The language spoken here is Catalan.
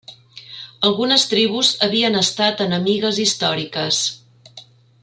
Algunes tribus havien estat enemigues històriques.